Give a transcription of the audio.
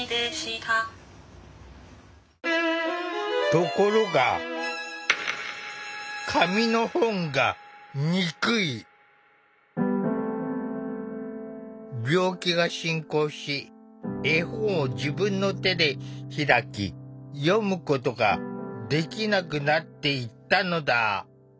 ところが病気が進行し絵本を自分の手で開き読むことができなくなっていったのだ。